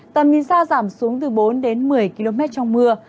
tầm nhìn xa giảm xuống từ bốn đến một mươi km trong mưa